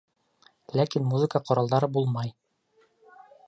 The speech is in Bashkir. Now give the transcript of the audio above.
Ләкин музыка ҡоралдары булмай.